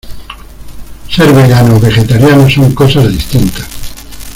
Ser vegano o vegetariano son cosas distintas.